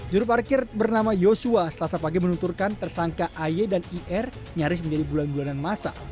juru parkir bernama yosua selasa pagi menunturkan tersangka aye dan ir nyaris menjadi bulan bulanan masa